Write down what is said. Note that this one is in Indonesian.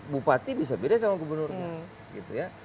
bupati bisa beda sama gubernurnya